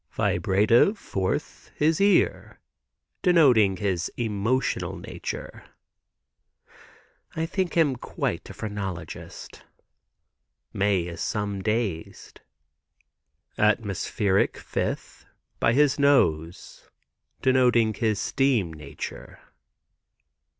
"Vibrative, fourth, his ear, denoting his emotional nature." I think him quite a phrenologist. Mae is some dazed. "Atmospheric, fifth, by his nose, denoting his steam nature."